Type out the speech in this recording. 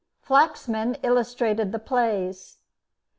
Flaxman illustrated the plays.